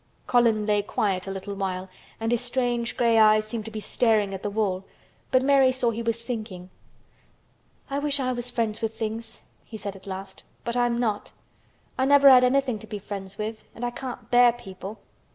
Colin lay quiet a little while and his strange gray eyes seemed to be staring at the wall, but Mary saw he was thinking. "I wish I was friends with things," he said at last, "but I'm not. I never had anything to be friends with, and I can't bear people."